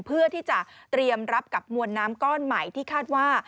เพื่อที่จะเตรียมรับกับมวลน้ำก้อนใหม่ที่คาดว่า